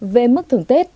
về mức thưởng tết